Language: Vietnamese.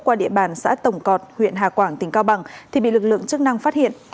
qua địa bàn xã tổng cọt huyện hà quảng tỉnh cao bằng thì bị lực lượng chức năng phát hiện